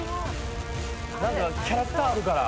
何かキャラクターあるから。